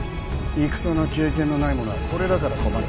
戦の経験のない者はこれだから困る。